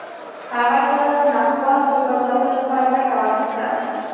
هغه د ناخوالو د بدلولو لپاره ګټه واخيسته.